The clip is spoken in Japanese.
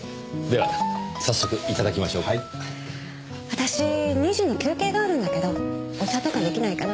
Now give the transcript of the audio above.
私２時に休憩があるんだけどお茶とか出来ないかな？